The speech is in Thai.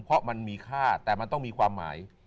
เพราะมันมีค่าแต่มันต้องมีความหมาย